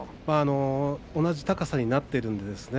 同じ高さになっているんです。